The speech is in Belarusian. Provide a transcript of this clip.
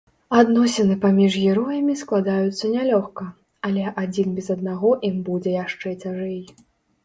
Адносіны паміж героямі складаюцца нялёгка, але адзін без аднаго ім будзе яшчэ цяжэй.